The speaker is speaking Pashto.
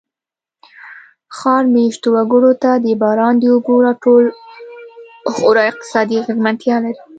ښار مېشتو وګړو ته د باران د اوبو را ټول خورا اقتصادي اغېزمنتیا لري.